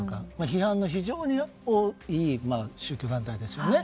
批判の非常に多い宗教団体ですよね。